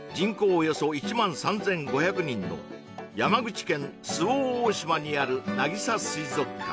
およそ１万３５００人の山口県周防大島にあるなぎさ水族館